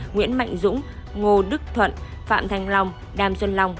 nguyễn mạnh dũng ngô đức thuận phạm thanh long đàm xuân long